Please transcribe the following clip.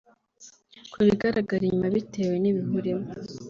Ku bigaragara inyuma bitewe n’ibihe urimo